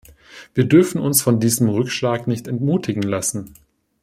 Wir dürfen uns von diesem Rückschlag nicht entmutigen lassen.